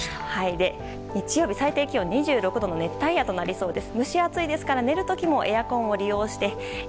日曜日、最低気温２６度の熱帯夜となりそうです。